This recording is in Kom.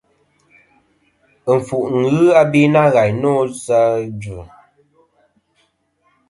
Ɨnfuʼ nɨn ghɨ abe nâ ghàyn nô sɨ idvɨ.